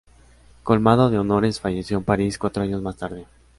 Colmado de honores, falleció en París cuatro años más tarde.